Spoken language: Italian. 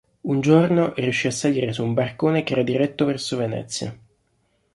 Un giorno riuscì a salire su un barcone che era diretto verso Venezia.